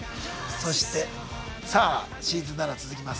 そしてさあシーズン７続きます。